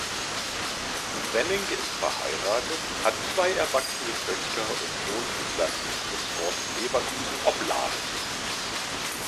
Wenning ist verheiratet, hat zwei erwachsene Töchter und wohnt in seinem Geburtsort Leverkusen-Opladen.